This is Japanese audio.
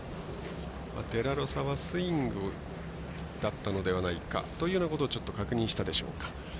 デラロサはスイングだったのではないかというようなことをちょっと確認したでしょうか。